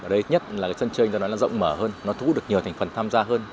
ở đây nhất là cái sân chơi đó nó rộng mở hơn nó thu hút được nhiều thành phần tham gia hơn